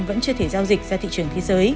vẫn chưa thể giao dịch ra thị trường